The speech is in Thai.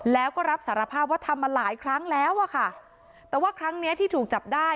แล้วก็รับสารภาพว่าทำมาหลายครั้งแล้วอ่ะค่ะแต่ว่าครั้งเนี้ยที่ถูกจับได้